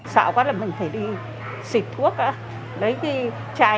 sợ quá là mình phải đi xịt thuốc